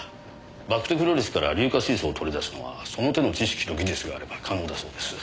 バクテクロリスから硫化水素を取り出すのはその手の知識と技術があれば可能だそうです。